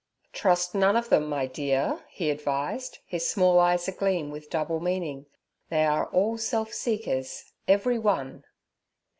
'Trust none of them my de ear' he advised, his small eyes agleam with double meaning. 'They are all self seekers—every one.'